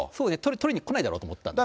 取りにこないだろうと思ったんですね。